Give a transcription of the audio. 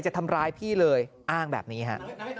จะทำร้ายพี่เลยอ้างแบบนี้ฮะ